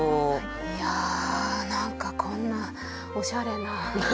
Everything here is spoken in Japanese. いや何かこんなおしゃれな仕上がりに。